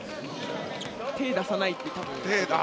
手を出さないって。